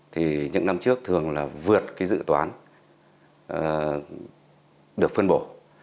thì những năm trước thường là vượt cái dự toán được phân bổ